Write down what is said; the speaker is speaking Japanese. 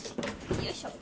よいしょ。